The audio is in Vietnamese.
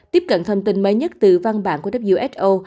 tiếp cận thông tin mới nhất từ văn bản của who